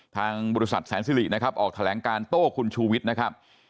ทางบริษัทแสนสิรินะครับออกแถลงการโต้คุณชูวิทย์นะครับ